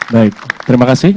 baik terima kasih